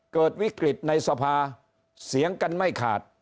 เกิดวิกฤตในสภาเสียงกันไม่ขาด